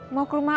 mau ke rumah lo